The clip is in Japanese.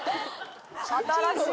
新しい！